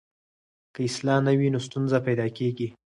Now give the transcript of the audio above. که اصلاح نه وي نو ستونزه پیدا کېږي.